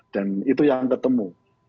dan itu yang ketemu